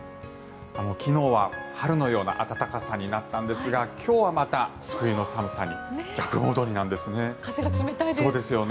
昨日は春のような暖かさになったんですが今日はまた冬の寒さに逆戻りなんですね。